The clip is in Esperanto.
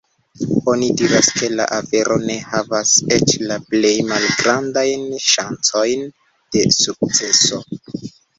Oni diras, ke la afero ne havas eĉ la plej malgrandajn ŝancojn de sukceso.